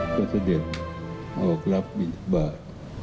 พระสเด็จออกรับบิณฑบาท